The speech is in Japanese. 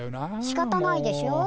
しかたないでしょ。